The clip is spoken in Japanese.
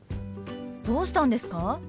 どうしたんですか？